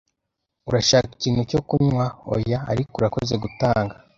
"Urashaka ikintu cyo kunywa?" "Oya, ariko urakoze gutanga."